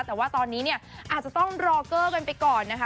แต่ว่าตอนนี้เนี่ยอาจจะต้องรอเกอร์กันไปก่อนนะคะ